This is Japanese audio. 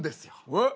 えっ？